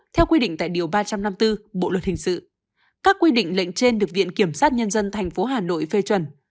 theo quy định tại điều ba trăm năm mươi bốn bộ luật hình sự các quy định lệnh trên được viện kiểm sát nhân dân tp hà nội phê chuẩn